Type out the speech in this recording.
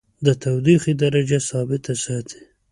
د تودیخي درجه ثابته ساتي.